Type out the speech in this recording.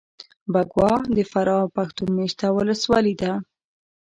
بکوا دفراه پښتون مېشته ولسوالي ده